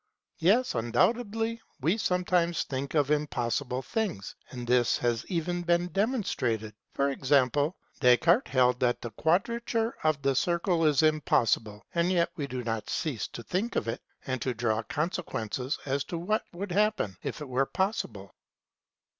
Yes, undoubtedly, we sometimes think of impossible things, and this has even been demonstrated ; for example, Descartes held that the quadrature of the circle is impos sible, and yet we do not cease to think of it and to draw conse quences as to what would happen if it were possible.